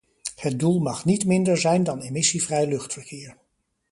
Het doel mag niet minder zijn dan emissievrij luchtverkeer.